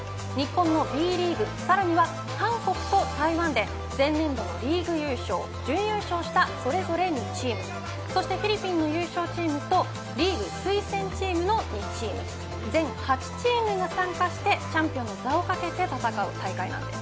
日本のＢリーグさらには韓国と台湾で前年度、リーグ優勝準優勝した、それぞれ２チームそしてフィリピンの優勝チームとリーグ推薦チームの２チーム、全８チームが参加してチャンピオンの座を懸けて戦う大会なんです。